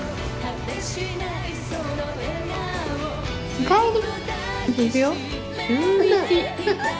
おかえり。